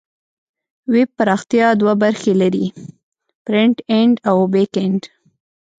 ویب پراختیا دوه برخې لري: فرنټ اینډ او بیک اینډ.